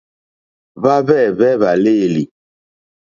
Hwáhwɛ̂hwɛ́ hwàlêlì.